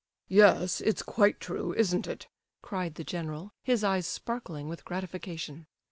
"Yes, it's quite true, isn't it?" cried the general, his eyes sparkling with gratification.